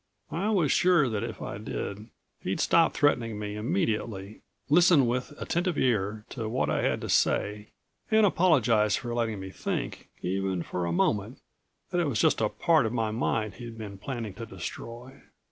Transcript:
I was sure that if I did he'd stop threatening me immediately, listen with attentive ear to what I had to say and apologize for letting me think, even for a moment, that it was just a part of my mind he'd been planning to destroy.